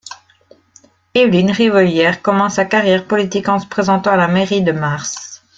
Évelyne Rivollier commence sa carrière politique en se présentant à la mairie de Mars.